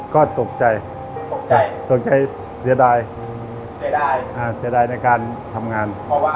ก็ตกใจตกใจเสียดายเสียดายเสียดายในการทำงาน